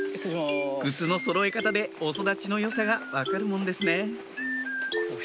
靴のそろえ方でお育ちの良さが分かるもんですね